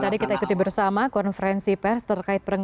tadi kita ikuti bersama konferensi pers terkait pernyataan